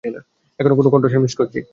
এখনও কোনো একটা কন্ঠস্বর মিস করছি।